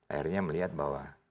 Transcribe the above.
akhirnya melihat bahwa